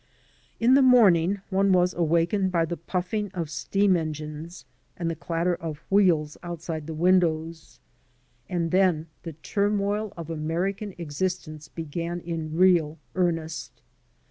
In the morning one was awakened by the puflEbg of steam engines and the clatter of wheels outside the 73 AN AMERICAN IN THE MAKING windows, and then the turmoil of American existence began in real earnest.